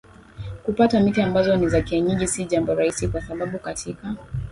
kupata miti ambazo ni za kienyeji si jambo rahisi kwa sababu katika